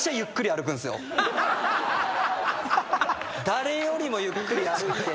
誰よりもゆっくり歩いて。